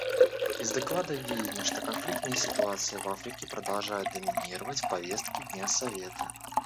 Из доклада видно, что конфликтные ситуации в Африке продолжают доминировать в повестке дня Совета.